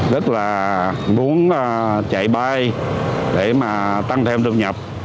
rất là muốn chạy bay để mà tăng thêm thu nhập